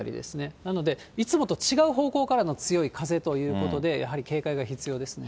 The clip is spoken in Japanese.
なので、いつもと違う方向からの強い風ということで、やはり警戒が必要ですね。